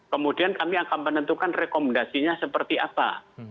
kemudian kami akan menentukan rekomendasinya seperti apa